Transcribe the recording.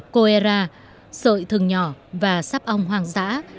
coera sợi thừng nhỏ và sắp ong hoang dã